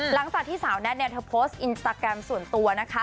หลังจากที่สาวแท็ตเธอโพสต์อินสตาแกรมส่วนตัวนะคะ